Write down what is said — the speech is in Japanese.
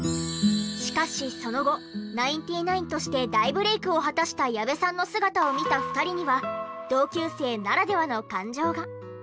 しかしその後ナインティナインとして大ブレイクを果たした矢部さんの姿を見た２人には同級生ならではの感情が。